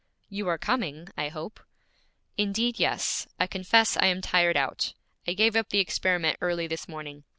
'You are coming, I hope?' 'Indeed, yes. I confess I am tired out. I gave up the experiment early this morning.